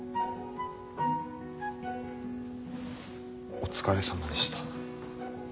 お疲れさまでした。